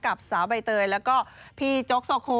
กับสาวใบเตยแล้วก็พี่โจ๊กโซคู